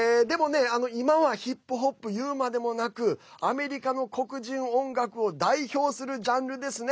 今はヒップホップ言うまでもなくアメリカの黒人音楽を代表するジャンルですね。